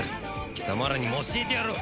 貴様らにも教えてやろう。